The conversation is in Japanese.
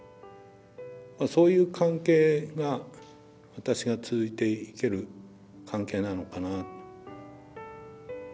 そういう関係が私が続いていける関係なのかな。